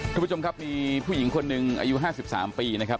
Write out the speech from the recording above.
ทุกผู้ชมครับมีผู้หญิงคนหนึ่งอายุ๕๓ปีนะครับ